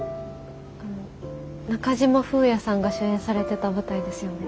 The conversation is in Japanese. あの中島風也さんが主演されてた舞台ですよね。